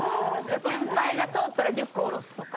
先輩が通ったらリュックを下ろすとか。